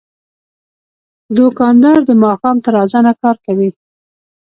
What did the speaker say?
دوکاندار د ماښام تر اذانه کار کوي.